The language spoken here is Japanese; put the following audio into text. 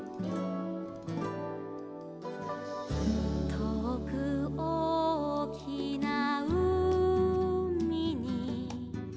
「とおくおおきなうみに」